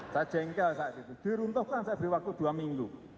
saya jengkel saat itu diruntuhkan saya beri waktu dua minggu